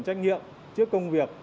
trách nhiệm trước công việc